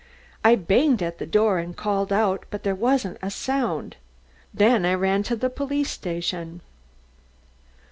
I banged at the door and called out, but there wasn't a sound. Then I ran to the police station."